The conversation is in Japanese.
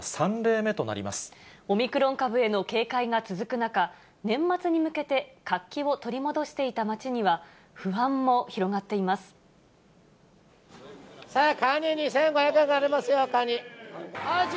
オミクロン株への警戒が続く中、年末に向けて、活気を取り戻していた街には、不安も広がってさあ、カニ２５００円ありますよ、カニ。